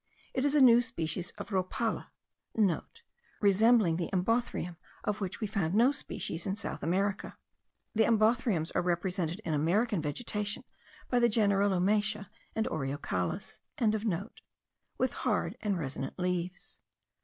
It is a new species of rhopala,* (* Resembling the Embothrium, of which we found no species in South America. The embothriums are represented in American vegetation by the genera Lomatia and Oreocallis.) with hard and resonant leaves.